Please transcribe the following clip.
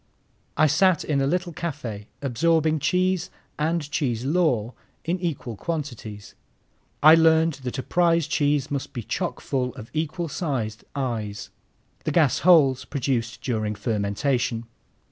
I sat in a little café, absorbing cheese and cheese lore in equal quantities. I learned that a prize cheese must be chock full of equal sized eyes, the gas holes produced during fermentation.